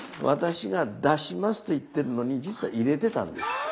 私が「出します」と言ってるのに実は入れてたんです。